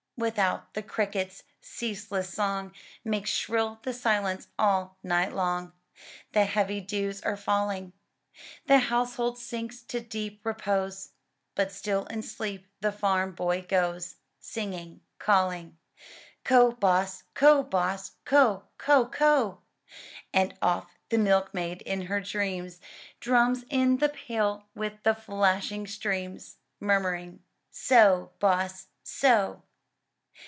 Without, the crickets* ceaseless song Makes shrill the silence all night long; The heavy dews are falling. The household sinks to deep repose, But still in sleep the farm boy goes Singing, calling,— "Co', boss! CO', boss! co'! co'! co'!" And oft the milkmaid, in her dreams, Drums in the pail with the flashing streams. Murmuring "So, boss! so!"